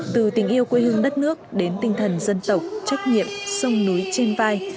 từ tình yêu quê hương đất nước đến tinh thần dân tộc trách nhiệm sông núi trên vai